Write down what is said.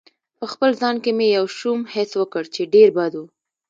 په خپل ځان کې مې یو شوم حس وکړ چې ډېر بد و.